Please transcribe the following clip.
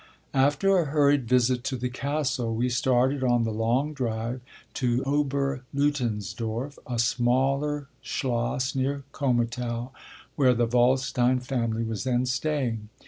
After a hurried visit to the castle we started on the long drive to Oberleutensdorf, a smaller Schloss near Komotau, where the Waldstein family was then staying.